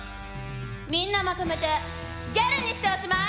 みんなまとめてギャルにしておしまい！